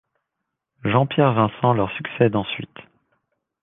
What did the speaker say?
Jean-Pierre Vincent leur succède ensuite.